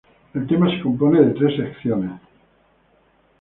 El tema se compone de tres secciones.